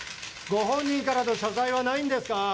ご本人からの謝罪はないんですか！？